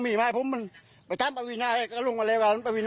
ไม่ใช่ถึงวันนั้น